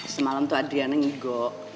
semalam tuh adriana ngigo